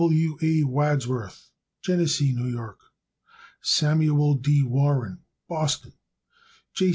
C. W. A. Wadsworth, Geneseo, N. Y. Samuel D. Warren, Boston, Mass.